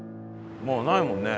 もうないもんね。